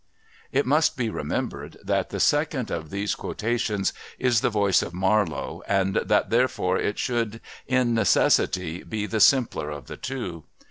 It must be remembered that the second of these quotations is the voice of Marlowe and that therefore it should, in necessity, be the simpler of the two.